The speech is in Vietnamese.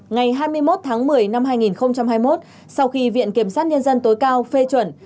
ngày hai mươi một tháng một mươi năm hai nghìn hai mươi một sau khi viện kiểm sát nhân dân tối cao phê chuẩn